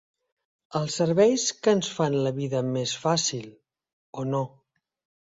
Els serveis que ens fan la vida més fàcil. O no.